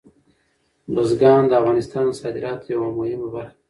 بزګان د افغانستان د صادراتو یوه مهمه برخه ده.